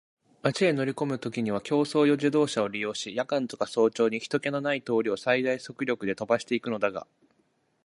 町へ乗りこむときには競走用自動車を利用し、夜間とか早朝に人気ひとけのない通りを最大速力で飛ばしていくのだが、